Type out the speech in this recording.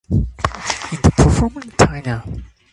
In the performance of Tina!